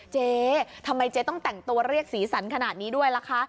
เจ๊ทำไมเจ๊ต้องแต่งตัวเรียกสีสันขนาดนี้ด้วยล่ะคะ